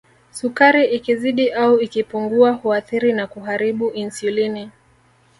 Sukari ikizidi au ikipungua huathiri na kuharibu Insulini